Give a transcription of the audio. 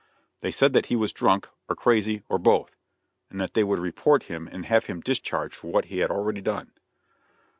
They said that he was drunk, or crazy or both, and that they would report him and have him discharged for what he had already done.